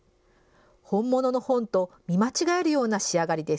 本物の本と見間違えるような仕上がりです。